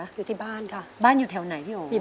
อยู่ที่บ้านค่ะบ้านอยู่แถวไหนพี่โอ๋